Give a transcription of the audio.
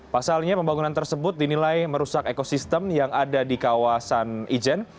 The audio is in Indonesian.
pasalnya pembangunan tersebut dinilai merusak ekosistem yang ada di kawasan ijen